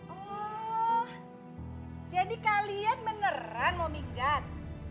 oh jadi kalian beneran mau minggat